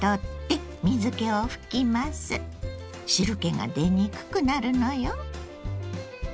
汁けが出にくくなるのよ。